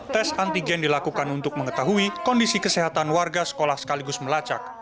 tes antigen dilakukan untuk mengetahui kondisi kesehatan warga sekolah sekaligus melacak